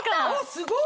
すごーい！